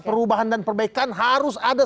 perubahan dan perbaikan harus ada